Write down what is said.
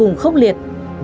vô cùng khốc liệt